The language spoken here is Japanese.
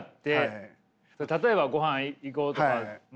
例えばごはん行こうとかも。